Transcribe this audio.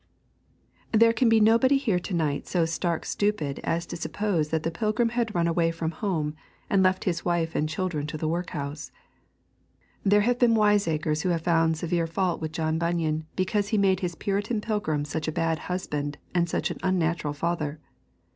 There can be nobody here to night so stark stupid as to suppose that the pilgrim had run away from home and left his wife and children to the work house. There have been wiseacres who have found severe fault with John Bunyan because he made his Puritan pilgrim such a bad husband and such an unnatural father.